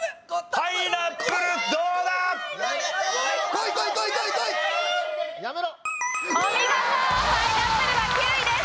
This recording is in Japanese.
パイナップルは９位です。